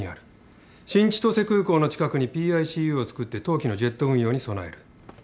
新千歳空港の近くにＰＩＣＵを作って冬季のジェット運用に備える。